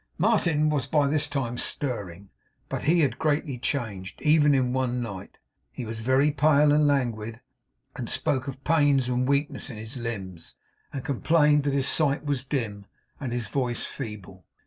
Martin was by this time stirring; but he had greatly changed, even in one night. He was very pale and languid; he spoke of pains and weakness in his limbs, and complained that his sight was dim, and his voice feeble.